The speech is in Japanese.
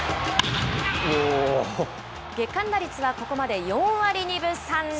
月間打率は、ここまで４割２分３厘。